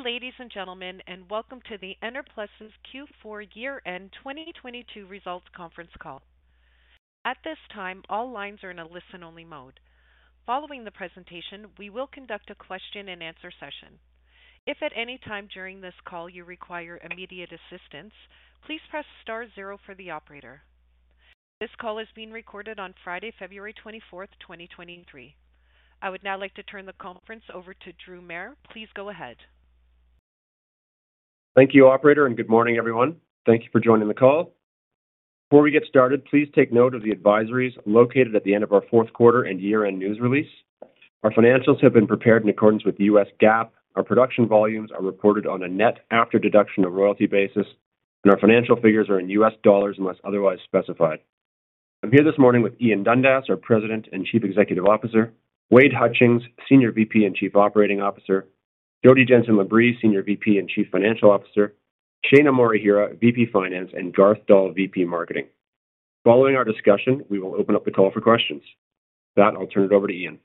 Good day, ladies and gentlemen, and welcome to the Enerplus's Q4 year-end 2022 results conference call. At this time, all lines are in a listen-only mode. Following the presentation, we will conduct a question and answer session. If at any time during this call you require immediate assistance, please press star zero for the operator. This call is being recorded on Friday, February 24th, 2023. I would now like to turn the conference over to Drew Mair. Please go ahead. Thank you, operator. Good morning, everyone. Thank you for joining the call. Before we get started, please take note of the advisories located at the end of our fourth quarter and year-end news release. Our financials have been prepared in accordance with U.S. GAAP. Our production volumes are reported on a net after deduction of royalty basis. Our financial figures are in U.S. dollars unless otherwise specified. I'm here this morning with Ian Dundas, our President and Chief Executive Officer, Wade Hutchings, Senior VP and Chief Operating Officer, Jodi Jenson Labrie, Senior VP and Chief Financial Officer, Shaina Morihira, VP Finance, and Garth Doll, VP Marketing. Following our discussion, we will open up the call for questions. With that, I'll turn it over to Ian.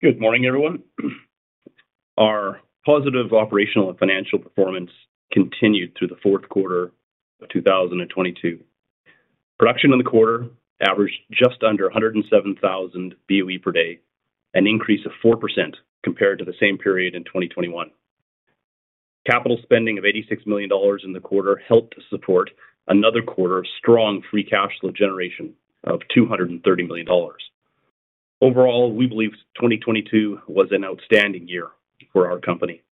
Good morning, everyone. Our positive operational and financial performance continued through the fourth quarter of 2022. Production in the quarter averaged just under 107,000 BOE per day, an increase of 4% compared to the same period in 2021. Capital spending of $86 million in the quarter helped to support another quarter of strong free cash flow generation of $230 million. Overall, we believe 2022 was an outstanding year for our company.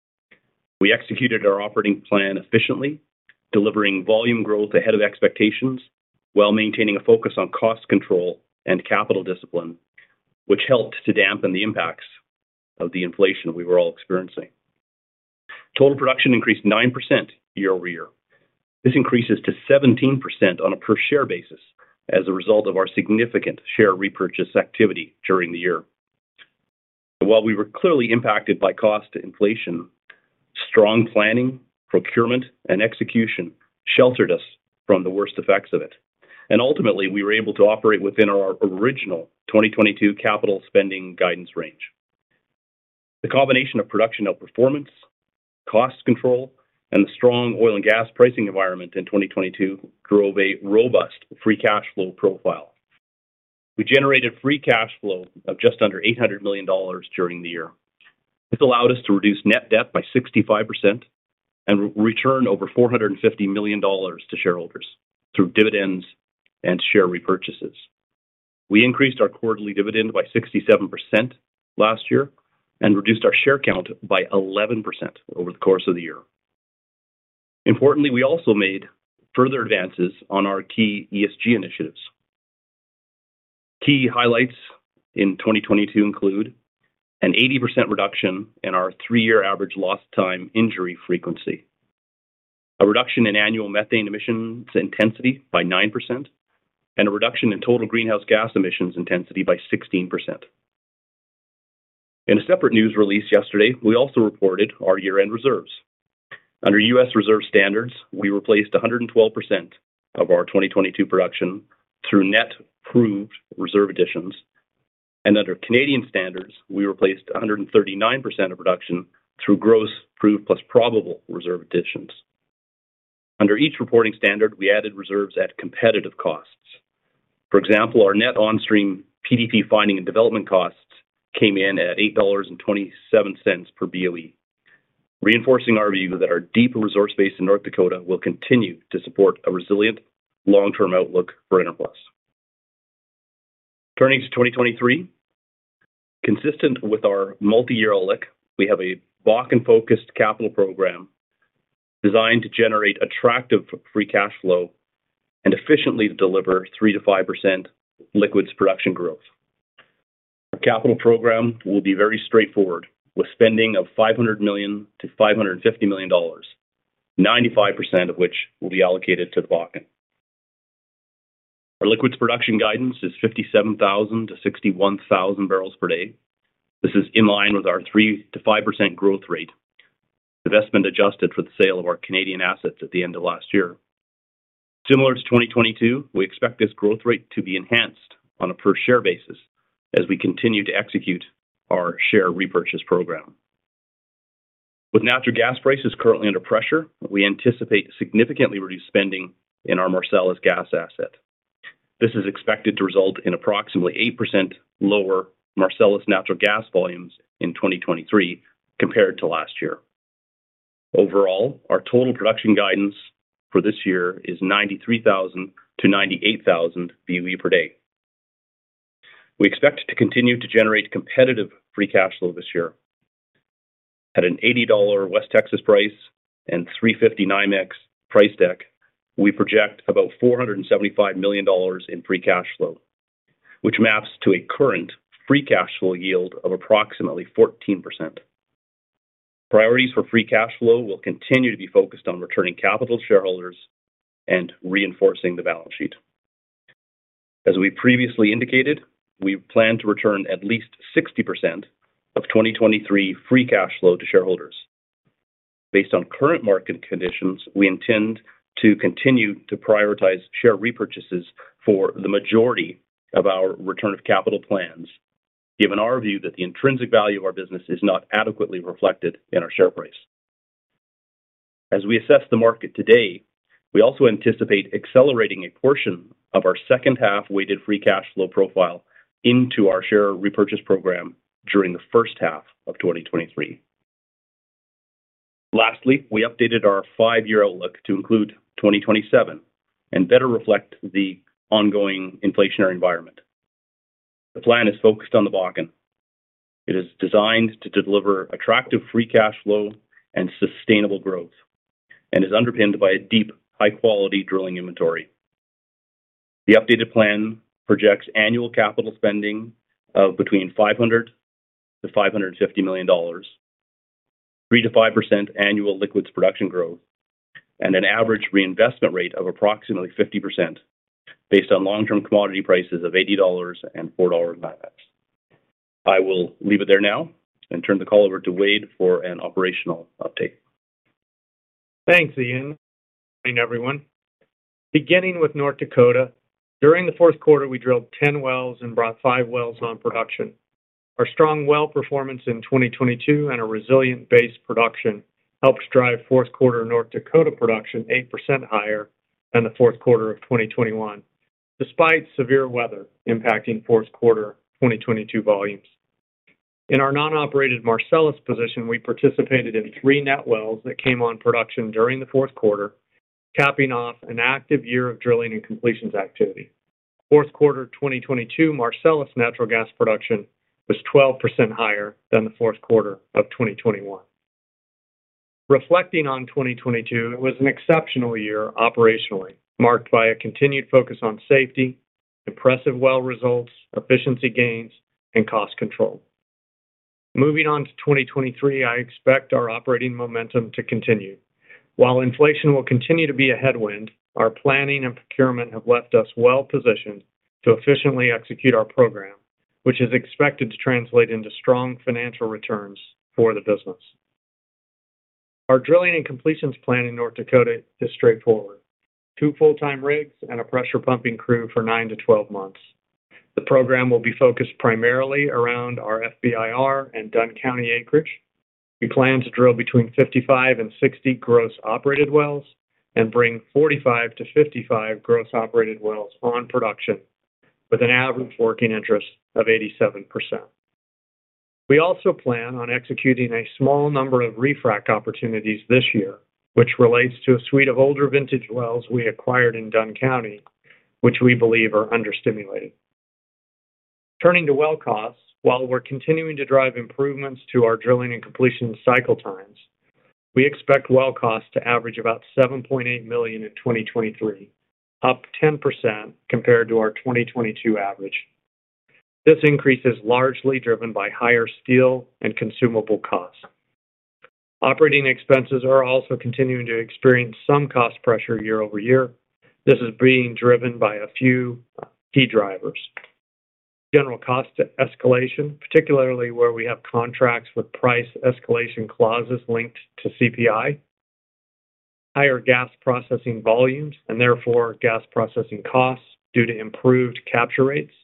We executed our operating plan efficiently, delivering volume growth ahead of expectations while maintaining a focus on cost control and capital discipline, which helped to dampen the impacts of the inflation we were all experiencing. Total production increased 9% year-over-year. This increases to 17% on a per share basis as a result of our significant share repurchase activity during the year. While we were clearly impacted by cost inflation, strong planning, procurement, and execution sheltered us from the worst effects of it, ultimately, we were able to operate within our original 2022 capital spending guidance range. The combination of production outperformance, cost control, and the strong oil and gas pricing environment in 2022 drove a robust free cash flow profile. We generated free cash flow of just under $800 million during the year. This allowed us to reduce net debt by 65% and return over $450 million to shareholders through dividends and share repurchases. We increased our quarterly dividend by 67% last year and reduced our share count by 11% over the course of the year. Importantly, we also made further advances on our key ESG initiatives. Key highlights in 2022 include an 80% reduction in our three-year average lost time injury frequency, a reduction in annual methane emissions intensity by 9%, and a reduction in total greenhouse gas emissions intensity by 16%. In a separate news release yesterday, we also reported our year-end reserves. Under U.S. reserve standards, we replaced 112% of our 2022 production through net proved reserve additions. Under Canadian standards, we replaced 139% of production through gross proved plus probable reserve additions. Under each reporting standard, we added reserves at competitive costs. For example, our net onstream PDP finding and development costs came in at $8.27 per BOE, reinforcing our view that our deep resource base in North Dakota will continue to support a resilient long-term outlook for Enerplus. Turning to 2023, consistent with our multi-year outlook, we have a Bakken-focused capital program designed to generate attractive free cash flow and efficiently deliver 3%-5% liquids production growth. Our capital program will be very straightforward, with spending of $500 million-$550 million, 95% of which will be allocated to Bakken. Our liquids production guidance is 57,000-61,000 barrels per day. This is in line with our 3%-5% growth rate, investment adjusted for the sale of our Canadian assets at the end of last year. Similar to 2022, we expect this growth rate to be enhanced on a per share basis as we continue to execute our share repurchase program. With natural gas prices currently under pressure, we anticipate significantly reduced spending in our Marcellus gas asset. This is expected to result in approximately 8% lower Marcellus natural gas volumes in 2023 compared to last year. Overall, our total production guidance for this year is 93,000-98,000 BOE per day. We expect to continue to generate competitive free cash flow this year. At an $80 West Texas price and $3.50 NYMEX price deck, we project about $475 million in free cash flow, which maps to a current free cash flow yield of approximately 14%. Priorities for free cash flow will continue to be focused on returning capital to shareholders and reinforcing the balance sheet. As we previously indicated, we plan to return at least 60% of 2023 free cash flow to shareholders. Based on current market conditions, we intend to continue to prioritize share repurchases for the majority of our return of capital plans, given our view that the intrinsic value of our business is not adequately reflected in our share price. As we assess the market today, we also anticipate accelerating a portion of our second half weighted free cash flow profile into our share repurchase program during the first half of 2023. Lastly, we updated our five-year outlook to include 2027 and better reflect the ongoing inflationary environment. The plan is focused on the Bakken. It is designed to deliver attractive free cash flow and sustainable growth, and is underpinned by a deep, high-quality drilling inventory. The updated plan projects annual capital spending of between $500 million-$550 million, 3%-5% annual liquids production growth, and an average reinvestment rate of approximately 50% based on long-term commodity prices of $80 and $4 NYMEX. I will leave it there now. Turn the call over to Wade for an operational update. Thanks, Ian. Good morning, everyone. Beginning with North Dakota, during the fourth quarter, we drilled 10 wells and brought five wells on production. Our strong well performance in 2022 and a resilient base production helps drive fourth quarter North Dakota production 8% higher than the fourth quarter of 2021, despite severe weather impacting fourth quarter 2022 volumes. In our non-operated Marcellus position, we participated in three net wells that came on production during the fourth quarter, capping off an active year of drilling and completions activity. Fourth quarter 2022 Marcellus natural gas production was 12% higher than the fourth quarter of 2021. Reflecting on 2022, it was an exceptional year operationally, marked by a continued focus on safety, impressive well results, efficiency gains, and cost control. Moving on to 2023, I expect our operating momentum to continue. While inflation will continue to be a headwind, our planning and procurement have left us well positioned to efficiently execute our program, which is expected to translate into strong financial returns for the business. Our drilling and completions plan in North Dakota is straightforward. Two full-time rigs and a pressure pumping crew for 9-12 months. The program will be focused primarily around our FBIR and Dunn County acreage. We plan to drill between 55 and 60 gross operated wells and bring 45-55 gross operated wells on production with an average working interest of 87%. We also plan on executing a small number of refrac opportunities this year, which relates to a suite of older vintage wells we acquired in Dunn County, which we believe are under-stimulated. Turning to well costs, while we're continuing to drive improvements to our drilling and completion cycle times, we expect well costs to average about $7.8 million in 2023, up 10% compared to our 2022 average. This increase is largely driven by higher steel and consumable costs. Operating expenses are also continuing to experience some cost pressure year-over-year. This is being driven by a few key drivers. General cost escalation, particularly where we have contracts with price escalation clauses linked to CPI. Higher gas processing volumes and therefore gas processing costs due to improved capture rates.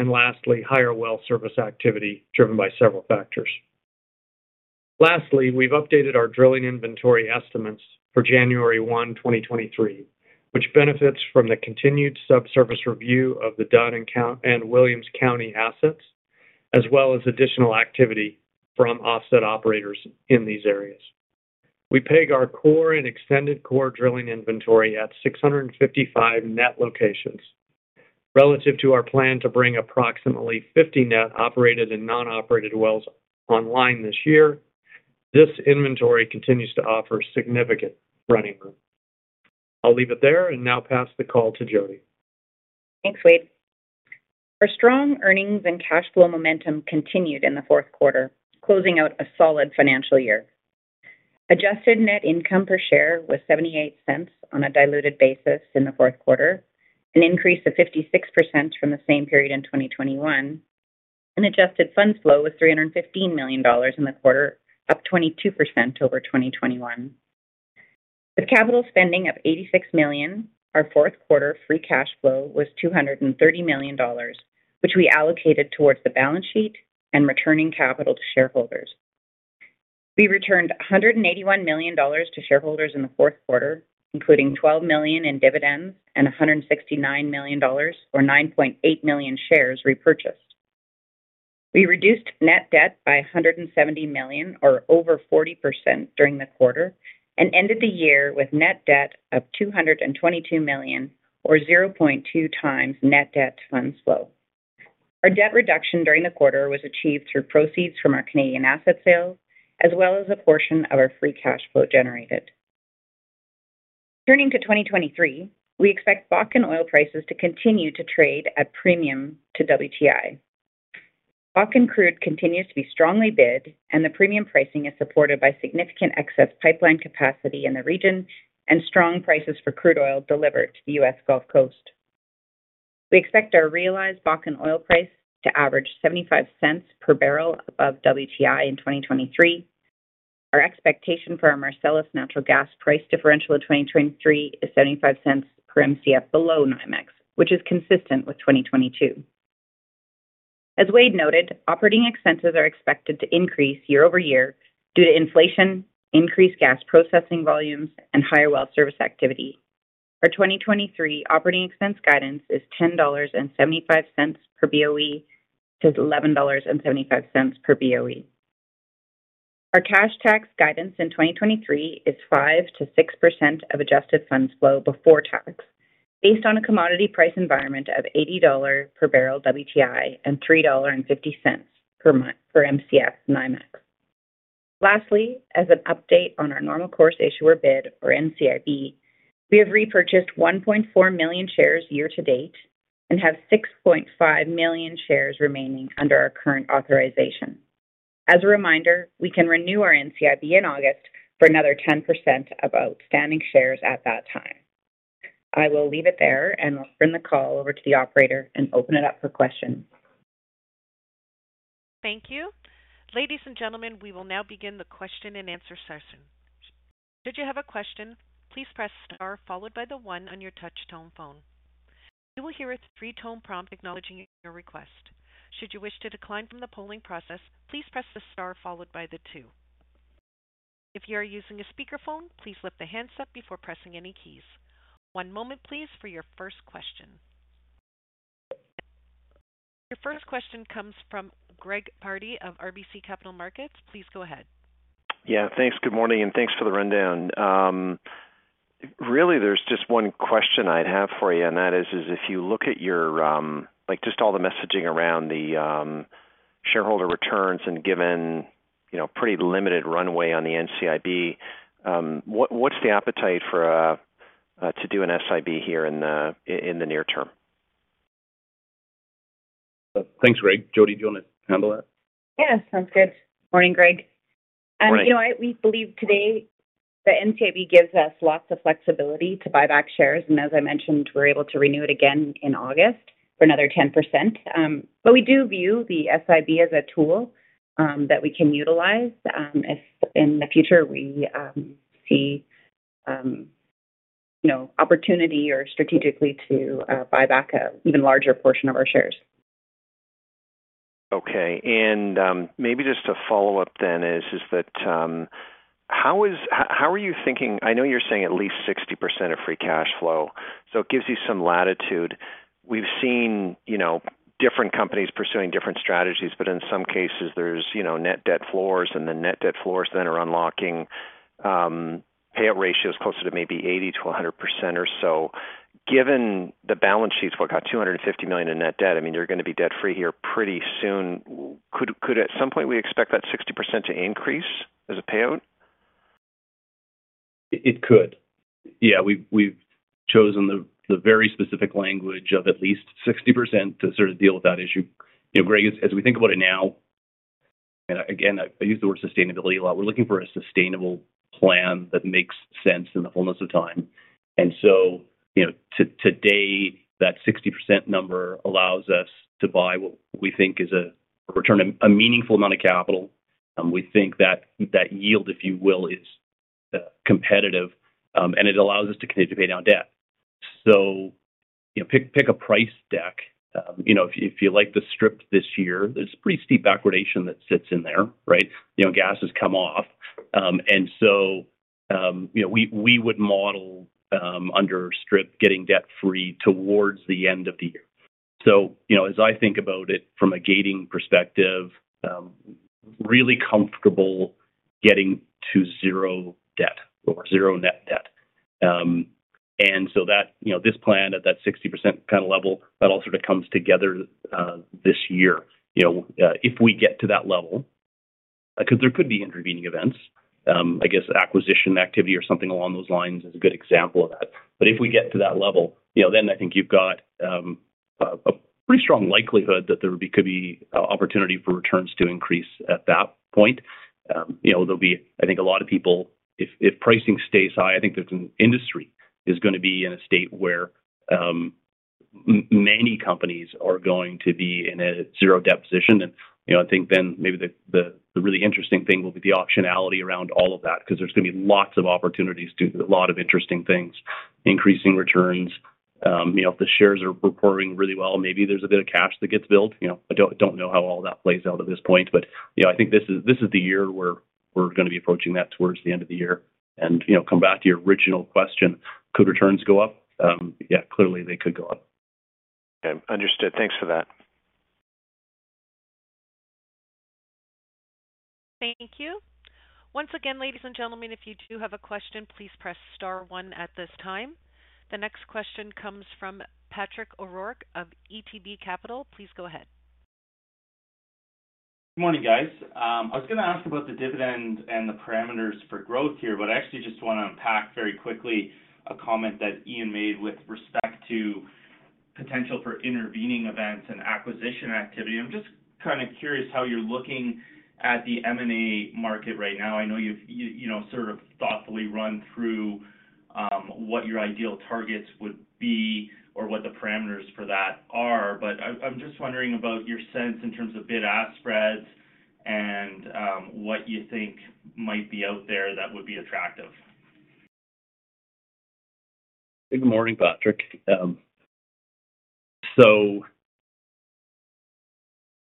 Lastly, higher well service activity driven by several factors. Lastly, we've updated our drilling inventory estimates for January 1, 2023, which benefits from the continued subsurface review of the Dunn County and Williams County assets, as well as additional activity from offset operators in these areas. We peg our core and extended core drilling inventory at 655 net locations. Relative to our plan to bring approximately 50 net operated and non-operated wells online this year, this inventory continues to offer significant running room. I'll leave it there and now pass the call to Jodi. Thanks, Wade. Our strong earnings and cash flow momentum continued in the fourth quarter, closing out a solid financial year. Adjusted net income per share was $0.78 on a diluted basis in the fourth quarter, an increase of 56% from the same period in 2021, and adjusted funds flow was $315 million in the quarter, up 22% over 2021. With capital spending of $86 million, our fourth quarter free cash flow was $230 million, which we allocated towards the balance sheet and returning capital to shareholders. We returned $181 million to shareholders in the fourth quarter, including $12 million in dividends and $169 million or 9.8 million shares repurchased. We reduced net debt by $170 million, or over 40% during the quarter, and ended the year with net debt of $222 million, or 0.2x net debt to funds flow. Our debt reduction during the quarter was achieved through proceeds from our Canadian asset sale, as well as a portion of our free cash flow generated. Turning to 2023, we expect Bakken oil prices to continue to trade at premium to WTI. Bakken crude continues to be strongly bid, and the premium pricing is supported by significant excess pipeline capacity in the region and strong prices for crude oil delivered to the U.S. Gulf Coast. We expect our realized Bakken oil price to average $0.75 per barrel above WTI in 2023. Our expectation for our Marcellus natural gas price differential in 2023 is $0.75 per Mcf below NYMEX, which is consistent with 2022. As Wade noted, operating expenses are expected to increase year-over-year due to inflation, increased gas processing volumes and higher well service activity. Our 2023 operating expense guidance is $10.75 per BOE-$11.75 per BOE. Our cash tax guidance in 2023 is 5%-6% of adjusted funds flow before tax based on a commodity price environment of $80 per barrel WTI and $3.50 per Mcf NYMEX. Lastly, as an update on our normal course issuer bid or NCIB, we have repurchased 1.4 million shares year to date and have 6.5 million shares remaining under our current authorization. As a reminder, we can renew our NCIB in August for another 10% of outstanding shares at that time. I will leave it there, and we'll turn the call over to the operator and open it up for questions. Thank you. Ladies and gentlemen, we will now begin the question and answer session. Should you have a question, please press star followed by the one on your touch tone phone. You will hear a three-tone prompt acknowledging your request. Should you wish to decline from the polling process, please press the star followed by the two. If you are using a speakerphone, please lift the handset before pressing any keys. One moment please for your first question. Your first question comes from Greg Pardy of RBC Capital Markets. Please go ahead. Yeah, thanks. Good morning, and thanks for the rundown. Really, there's just one question I'd have for you, and that is, if you look at your, like, just all the messaging around the shareholder returns and given, you know, pretty limited runway on the NCIB, what's the appetite for to do an SIB here in the near term? Thanks, Greg. Jodi, do you want to handle that? Yeah. Sounds good. Morning, Greg. Morning. you know what? We believe today that NCIB gives us lots of flexibility to buy back shares. As I mentioned, we're able to renew it again in August for another 10%. We do view the SIB as a tool, that we can utilize, if in the future we, see, you know, opportunity or strategically to buy back an even larger portion of our shares. Okay. Maybe just a follow-up then is that, how are you thinking? I know you're saying at least 60% of free cash flow, so it gives you some latitude. We've seen, you know, different companies pursuing different strategies, but in some cases there's, you know, net debt floors and the net debt floors then are unlocking payout ratios closer to maybe 80%-100% or so. Given the balance sheets, what, $250 million in net debt, I mean, you're gonna be debt free here pretty soon. Could at some point we expect that 60% to increase as a payout? It could. Yeah, we've chosen the very specific language of at least 60% to sort of deal with that issue. You know, Greg, as we think about it now, again, I use the word sustainability a lot. We're looking for a sustainable plan that makes sense in the fullness of time. You know, to-today, that 60% number allows us to buy what we think is a return, a meaningful amount of capital. We think that that yield, if you will, is competitive, and it allows us to continue to pay down debt. You know, pick a price deck. You know, if you like the strip this year, there's pretty steep backwardation that sits in there, right? You know, gas has come off. You know, we would model under strip getting debt free towards the end of the year. You know, as I think about it from a gating perspective, really comfortable getting to zero debt or zero net debt. You know, this plan at that 60% kind of level, that all sort of comes together this year. You know, if we get to that level, 'cause there could be intervening events, I guess acquisition activity or something along those lines is a good example of that. If we get to that level, you know, then I think you've got a pretty strong likelihood that there could be opportunity for returns to increase at that point. You know, there'll be, I think a lot of people if pricing stays high, I think the industry is gonna be in a state where many companies are going to be in a zero debt position. You know, I think then maybe the really interesting thing will be the optionality around all of that, 'cause there's gonna be lots of opportunities to do a lot of interesting things, increasing returns. You know, if the shares are performing really well, maybe there's a bit of cash that gets built. You know, I don't know how all that plays out at this point, but, you know, I think this is the year where we're gonna be approaching that towards the end of the year. You know, come back to your original question, could returns go up? Yeah, clearly they could go up. Okay. Understood. Thanks for that. Thank you. Once again, ladies and gentlemen, if you do have a question, please press star one at this time. The next question comes from Patrick O'Rourke of ATB Capital Markets. Please go ahead. Good morning, guys. I was gonna ask about the dividend and the parameters for growth here, but I actually just wanna unpack very quickly a comment that Ian made with respect to potential for intervening events and acquisition activity. I'm just kind of curious how you're looking at the M&A market right now. I know you've, you know, sort of thoughtfully run through what your ideal targets would be or what the parameters for that are. I'm just wondering about your sense in terms of bid-ask spreads and what you think might be out there that would be attractive. Good morning, Patrick.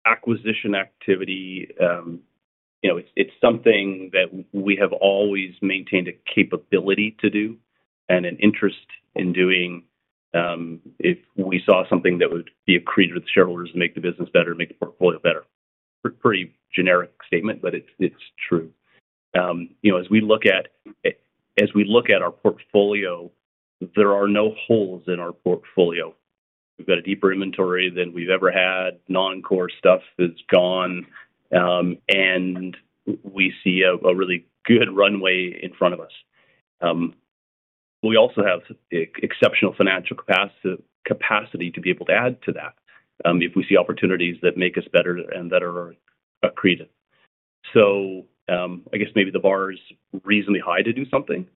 Acquisition activity, you know, it's something that we have always maintained a capability to do and an interest in doing, if we saw something that would be accretive to shareholders, make the business better, make the portfolio better. Pretty generic statement, it's true. You know, as we look at our portfolio, there are no holes in our portfolio. We've got a deeper inventory than we've ever had. Non-core stuff is gone, and we see a really good runway in front of us. We also have exceptional financial capacity to be able to add to that, if we see opportunities that make us better and that are accretive. I guess maybe the bar is reasonably high to do something.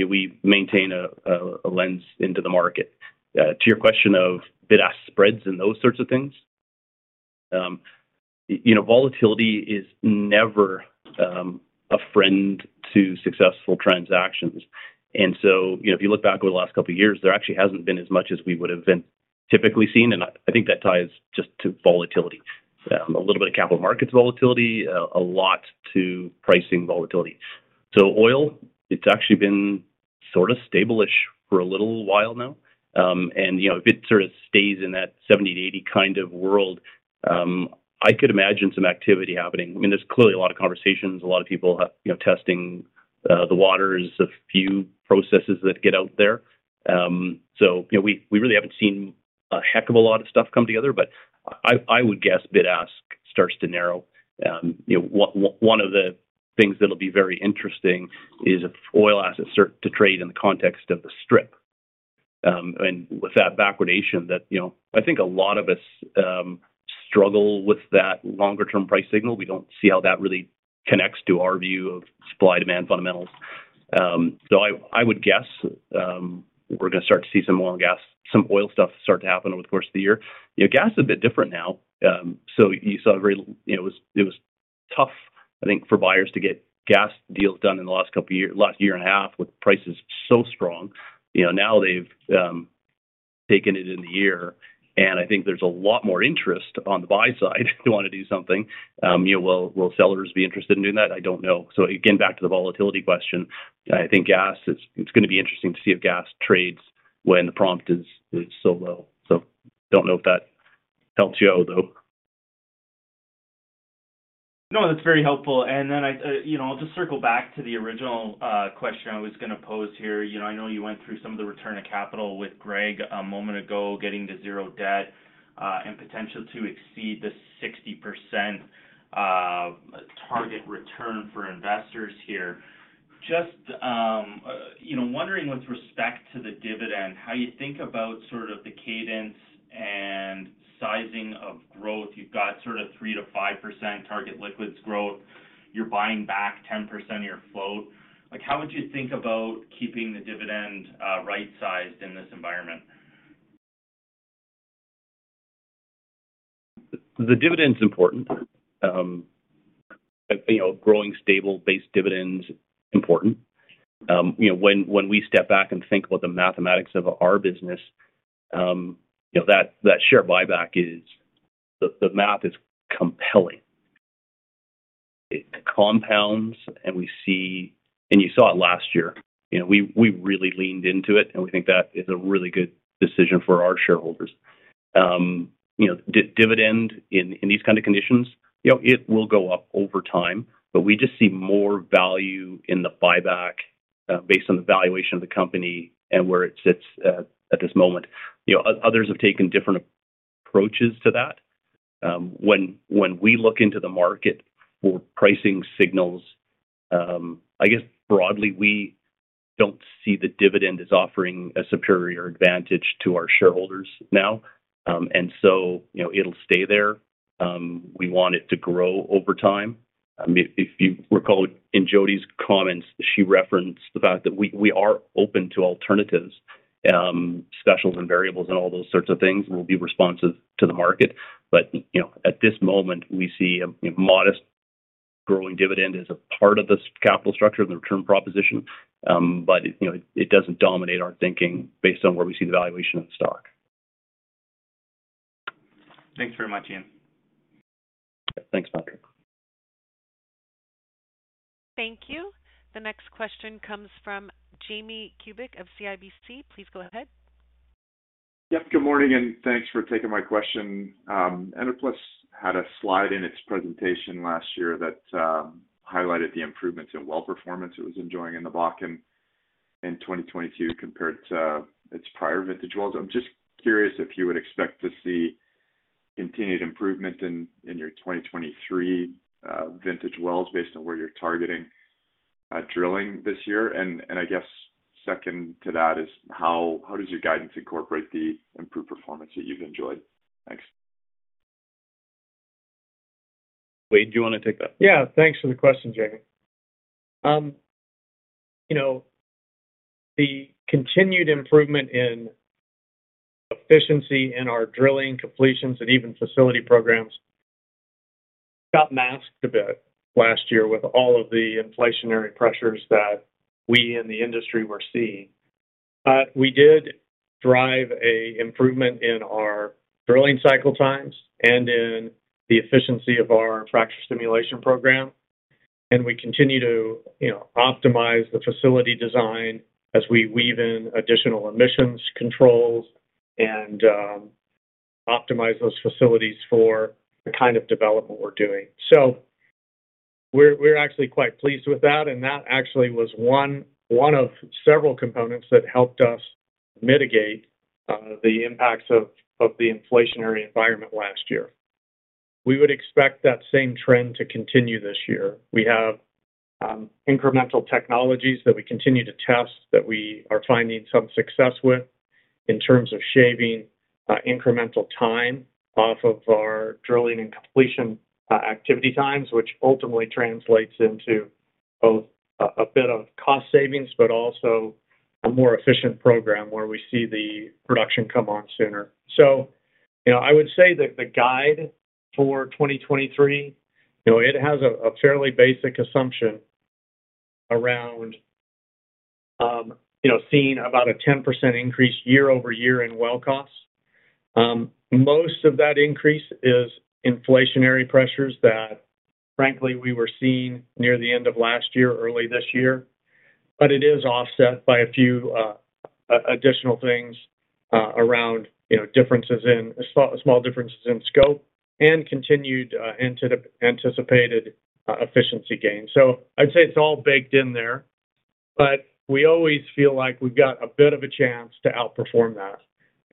We maintain a lens into the market. To your question of bid-ask spreads and those sorts of things, you know, volatility is never a friend to successful transactions. You know, if you look back over the last couple of years, there actually hasn't been as much as we would have been typically seen, and I think that ties just to volatility. A little bit of capital markets volatility, a lot to pricing volatility. Oil, it's actually been sort of stable-ish for a little while now. You know, if it sort of stays in that 70 to 80 kind of world, I could imagine some activity happening. I mean, there's clearly a lot of conversations, a lot of people, you know, testing the waters, a few processes that get out there. You know, we really haven't seen a heck of a lot of stuff come together. I would guess bid-ask starts to narrow. You know, one of the things that'll be very interesting is if oil assets start to trade in the context of the strip. With that backwardation that, you know, I think a lot of us struggle with that longer term price signal. We don't see how that really connects to our view of supply demand fundamentals. I would guess we're gonna start to see some oil stuff start to happen over the course of the year. You know, gas is a bit different now. You saw a very... You know, it was, it was tough, I think, for buyers to get gas deals done in the last couple of last year and a half with prices so strong. You know, now they've taken it in the year, and I think there's a lot more interest on the buy side to wanna do something. You know, will sellers be interested in doing that? I don't know. Again, back to the volatility question. I think it's gonna be interesting to see if gas trades when the prompt is so low. Don't know if that helps you out though. No, that's very helpful. I, you know, I'll just circle back to the original question I was gonna pose here. You know, I know you went through some of the return of capital with Greg a moment ago, getting to zero debt, and potential to exceed the 60% target return for investors here. Just, you know, wondering with respect to the dividend, how you think about sort of the cadence and sizing of growth. You've got sort of 3%-5% target liquids growth. You're buying back 10% of your float. Like, how would you think about keeping the dividend right-sized in this environment? The dividend's important. You know, growing stable base dividend's important. You know, when we step back and think about the mathematics of our business, you know, that share buyback is. The math is compelling. It compounds, and we see and you saw it last year. You know, we really leaned into it, and we think that is a really good decision for our shareholders. You know, dividend in these kind of conditions, you know, it will go up over time, but we just see more value in the buyback, based on the valuation of the company and where it sits at this moment. You know, others have taken different approaches to that. When we look into the market for pricing signals, I guess broadly, we don't see the dividend as offering a superior advantage to our shareholders now. You know, it'll stay there. We want it to grow over time. I mean, if you recall in Jodi's comments, she referenced the fact that we are open to alternatives, specials and variables and all those sorts of things. We'll be responsive to the market. You know, at this moment, we see a modest growing dividend as a part of the capital structure and the return proposition. You know, it doesn't dominate our thinking based on where we see the valuation of the stock. Thanks very much, Ian. Thanks, Patrick. Thank you. The next question comes from Jamie Kubik of CIBC. Please go ahead. Yep. Good morning, and thanks for taking my question. Enerplus had a slide in its presentation last year that highlighted the improvements in well performance it was enjoying in the Bakken in 2022 compared to its prior vintage wells. I'm just curious if you would expect to see continued improvement in your 2023 vintage wells based on where you're targeting drilling this year? I guess second to that is how does your guidance incorporate the improved performance that you've enjoyed? Thanks. Wade, do you want to take that? Yeah, thanks for the question, Jamie. You know, the continued improvement in efficiency in our drilling completions and even facility programs got masked a bit last year with all of the inflationary pressures that we in the industry were seeing. We did drive a improvement in our drilling cycle times and in the efficiency of our fracture stimulation program. We continue to, you know, optimize the facility design as we weave in additional emissions controls and optimize those facilities for the kind of development we're doing. We're actually quite pleased with that, and that actually was one of several components that helped us mitigate the impacts of the inflationary environment last year. We would expect that same trend to continue this year. We have incremental technologies that we continue to test, that we are finding some success with in terms of shaving incremental time off of our drilling and completion activity times, which ultimately translates into both a bit of cost savings, but also a more efficient program where we see the production come on sooner. You know, I would say that the guide for 2023, you know, it has a fairly basic assumption around, you know, seeing about a 10% increase year-over-year in well costs. Most of that increase is inflationary pressures that frankly we were seeing near the end of last year, early this year. It is offset by a few additional things around, you know, differences in, small differences in scope and continued anticipated efficiency gains. I'd say it's all baked in there, but we always feel like we've got a bit of a chance to outperform that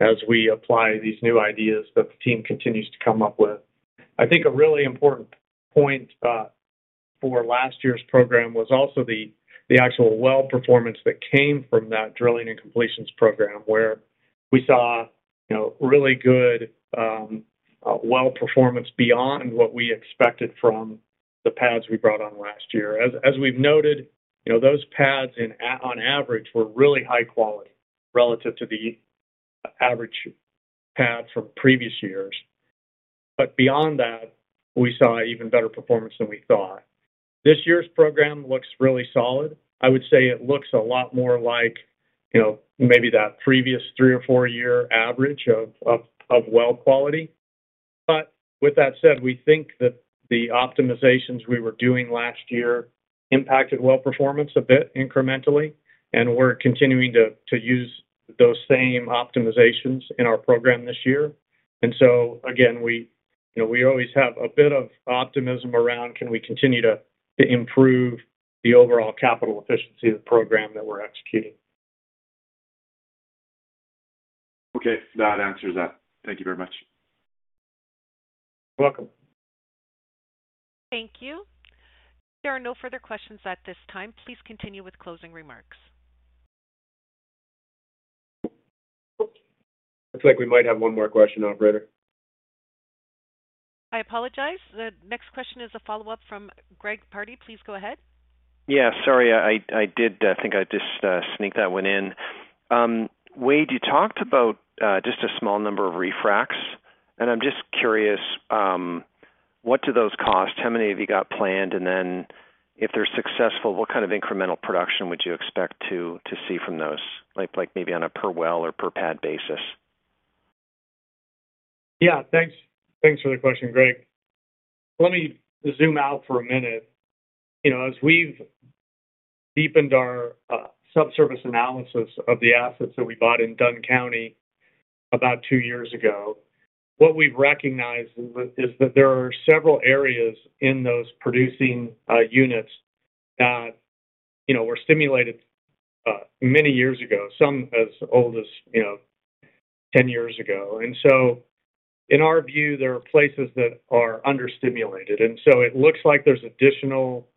as we apply these new ideas that the team continues to come up with. I think a really important point for last year's program was also the actual well performance that came from that drilling and completions program, where we saw, you know, really good well performance beyond what we expected from the pads we brought on last year. As we've noted, you know, those pads on average were really high quality relative to the average pad from previous years. Beyond that, we saw even better performance than we thought. This year's program looks really solid. I would say it looks a lot more like, you know, maybe that previous three or four-year average of well quality. With that said, we think that the optimizations we were doing last year impacted well performance a bit incrementally, and we're continuing to use those same optimizations in our program this year. Again, we, you know, we always have a bit of optimism around can we continue to improve the overall capital efficiency of the program that we're executing. Okay. That answers that. Thank you very much. You're welcome. Thank you. There are no further questions at this time. Please continue with closing remarks. Looks like we might have one more question, operator. I apologize. The next question is a follow-up from Greg Pardy. Please go ahead. Yeah, sorry, I did think I just sneaked that one in. Wade, you talked about just a small number of refracs, and I'm just curious, what do those cost? How many have you got planned? If they're successful, what kind of incremental production would you expect to see from those, like maybe on a per well or per pad basis? Yeah, thanks. Thanks for the question, Greg. Let me zoom out for a minute. You know, as we've deepened our subsurface analysis of the assets that we bought in Dunn County about two years ago, what we've recognized is that there are several areas in those producing units that, you know, were stimulated many years ago, some as old as, you know, 10 years ago. In our view, there are places that are under-stimulated, it looks like there's additional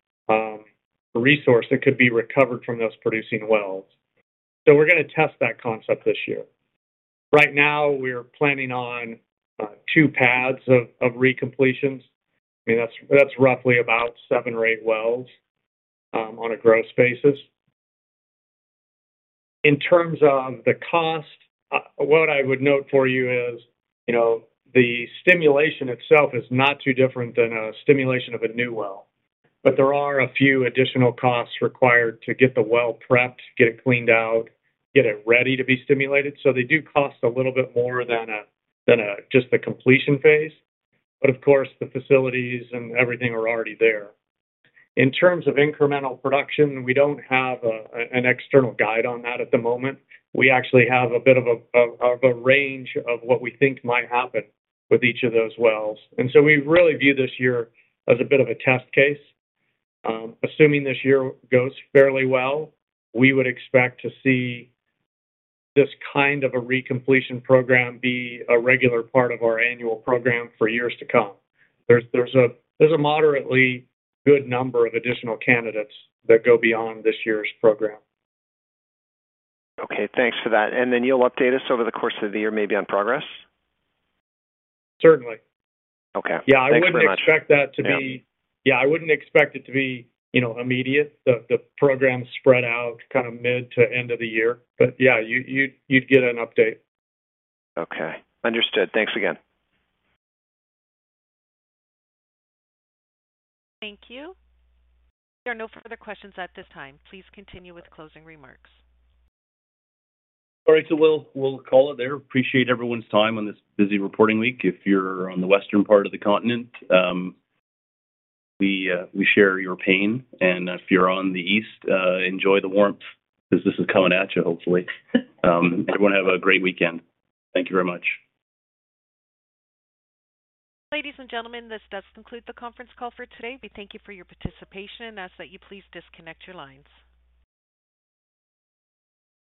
resource that could be recovered from those producing wells. We're gonna test that concept this year. Right now, we're planning on two pads of re-completions. I mean, that's roughly about seven or eight wells on a gross basis. In terms of the cost, what I would note for you is, you know, the stimulation itself is not too different than a stimulation of a new well. There are a few additional costs required to get the well prepped, get it cleaned out, get it ready to be stimulated. They do cost a little bit more than a just the completion phase. Of course, the facilities and everything are already there. In terms of incremental production, we don't have an external guide on that at the moment. We actually have a bit of a range of what we think might happen with each of those wells. We really view this year as a bit of a test case. Assuming this year goes fairly well, we would expect to see this kind of a recompletion program be a regular part of our annual program for years to come. There's a moderately good number of additional candidates that go beyond this year's program. Okay, thanks for that. You'll update us over the course of the year, maybe on progress? Certainly. Okay. Yeah, I wouldn't expect that. Thanks very much. Yeah, I wouldn't expect it to be, you know, immediate. The program's spread out kinda mid to end of the year. Yeah, you'd get an update. Okay. Understood. Thanks again. Thank you. There are no further questions at this time. Please continue with closing remarks. All right, we'll call it there. Appreciate everyone's time on this busy reporting week. If you're on the western part of the continent, we share your pain. If you're on the east, enjoy the warmth, 'cause this is coming at you, hopefully. Everyone have a great weekend. Thank you very much. Ladies and gentlemen, this does conclude the conference call for today. We thank you for your participation and ask that you please disconnect your lines.